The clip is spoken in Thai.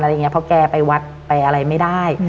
เพราะแกไปวัดไปอะไรไม่ได้